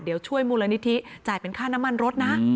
เดี๋ยวช่วยมูลนิธิจ่ายเป็นค่าน้ำมันรถนะ